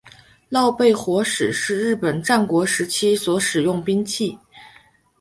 焙烙火矢是日本战国时代所使用兵器。